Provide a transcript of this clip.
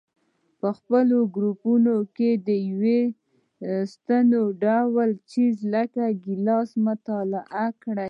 په خپلو ګروپونو کې د یوه استواني ډوله څیز لکه ګیلاس مطالعه وکړئ.